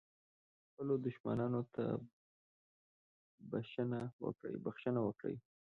خپلو دښمنانو ته بښنه وکړه .